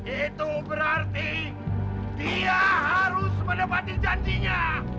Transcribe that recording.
itu berarti dia harus menepati janjinya